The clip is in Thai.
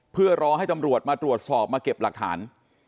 เพื่อรอให้ตำรวจมาตรวจสอบมาเก็บหลักฐาน